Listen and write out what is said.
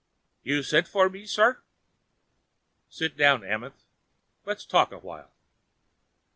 "You sent for me, sir?" "Sit down, Amenth. Let's talk a while."